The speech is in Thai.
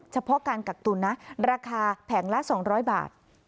เฉพาะการกักตุลนะราคาแผงละ๒๐๐บาท